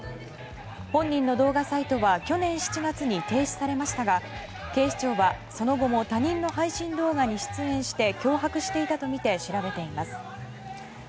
本人の動画サイトは去年７月に停止されましたが警視庁は、その後も他人の配信動画に出演して脅迫していたとみて調べています。